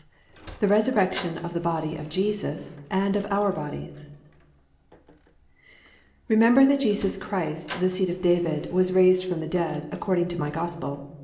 _" XII THE RESURRECTION OF THE BODY OF JESUS AND OF OUR BODIES "Remember that Jesus Christ of the seed of David, was raised from the dead, according to my gospel."